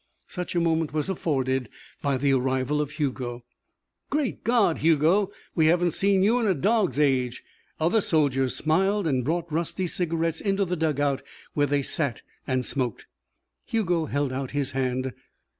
Such a moment was afforded by the arrival of Hugo. "Great God, Hugo! We haven't seen you in a dog's age." Other soldiers smiled and brought rusty cigarettes into the dug out where they sat and smoked. Hugo held out his hand.